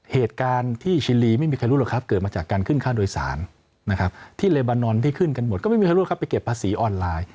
เหตุการณ์ที่ชิลีไม่มีใครรู้หรอกครับเกิดมาจากการขึ้นค่าโดยสารนะครับที่เลบานอนที่ขึ้นกันหมดก็ไม่มีใครรู้ครับไปเก็บภาษีออนไลน์